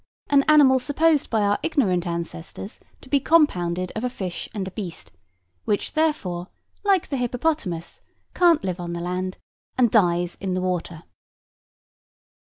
An animal supposed by our ignorant ancestors to be compounded of a fish and a beast; which therefore, like the hippopotamus, can't live on the land, and dies in the water."